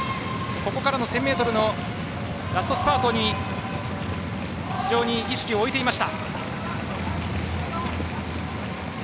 ここからの１０００ｍのラストスパートに非常に意識を置いていました。